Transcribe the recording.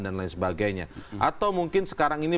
dan lain sebagainya atau mungkin sekarang ini